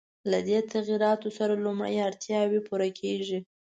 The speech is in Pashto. له دې تغییراتو سره لومړنۍ اړتیاوې پوره کېږي.